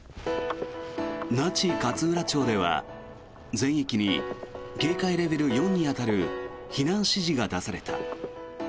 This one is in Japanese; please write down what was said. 那智勝浦町では全域に警戒レベル４に当たる避難指示が出された。